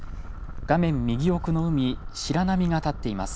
画面右奥の海、白波が立っています。